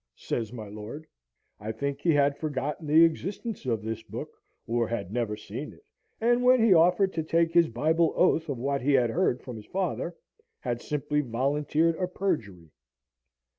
says my lord. I think he had forgotten the existence of this book, or had never seen it; and when he offered to take his Bible oath of what he had heard from his father, had simply volunteered a perjury.